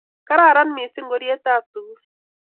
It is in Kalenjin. Kararan mising ngorietab sukul